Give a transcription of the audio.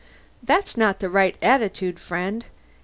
"That's not the right attitude, friend.